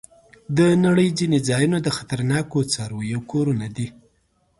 د نړۍ ځینې ځایونه د خطرناکو څارويو کورونه دي.